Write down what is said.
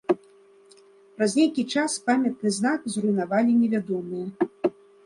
Праз нейкі час памятны знак зруйнавалі невядомыя.